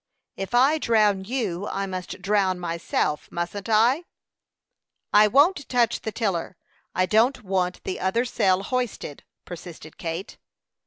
"If I drown you, I must drown myself mustn't I?" "I won't touch the tiller; I don't want the other sail hoisted," persisted Kate.